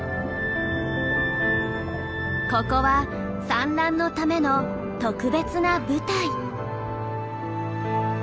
ここは産卵のための特別な舞台。